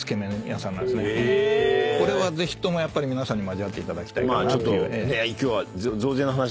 これはぜひとも皆さんに味わっていただきたいかなって。